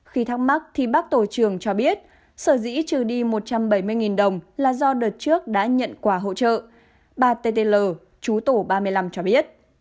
khi thắc mắc thì bác tổ trường cho biết sở dĩ trừ đi một trăm bảy mươi đồng là do đợt trước đã nhận quà hỗ trợ bà ttl chú tổ ba mươi năm cho biết